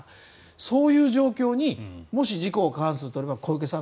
そういう状況にもし自公過半数取れば小池さん